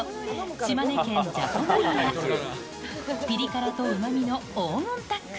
島根県、ジャコのりや、ピリ辛とうまみの黄金タッグ。